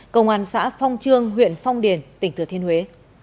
công an xã phong trương huyện phong điền tỉnh thừa thiên huế